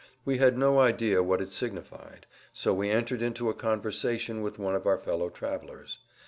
We had no idea what it signified, so we entered into a conversation with one of our fellow travelers.